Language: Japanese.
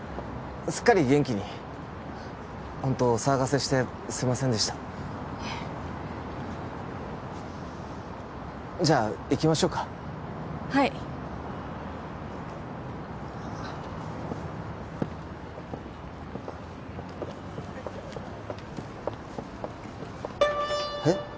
すっかり元気にホントお騒がせしてすいませんでしたいえじゃあ行きましょうかはいえっ？